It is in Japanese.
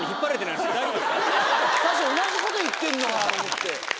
最初同じこと言ってんのかなと思って。